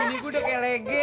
ini gue udah kayak lege